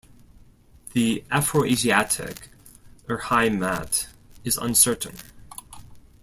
The Afroasiatic Urheimat is uncertain.